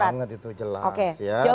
banget itu jelas ya